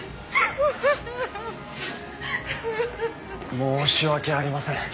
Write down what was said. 申し訳ありません。